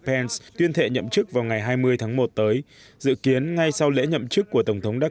pence tuyên thệ nhậm chức vào ngày hai mươi tháng một tới dự kiến ngay sau lễ nhậm chức của tổng thống đắc